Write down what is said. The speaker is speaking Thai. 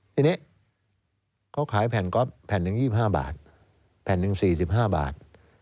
ทีนี้เขาขายแผ่นก๊อฟแผ่นหนึ่ง๒๕บาทแผ่นหนึ่ง๔๕บาท